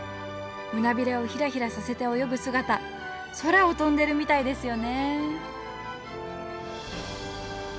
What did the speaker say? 胸びれをヒラヒラさせて泳ぐ姿空を飛んでるみたいですよね